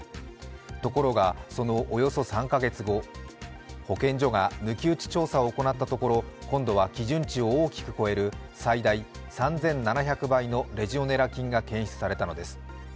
ところが、そのおよそ３か月後、保健所が抜き打ち調査を行ったところ、今度は基準値を大きく超える最大３７００倍のレジオネラ菌が検出されたのです。